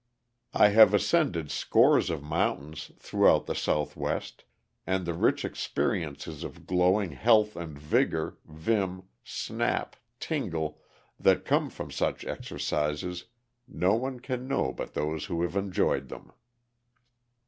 I have ascended scores of mountains throughout the Southwest, and the rich experiences of glowing health and vigor, vim, snap, tingle, that come from such exercises no one can know but those who have enjoyed them.